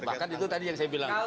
bahkan itu tadi yang saya bilang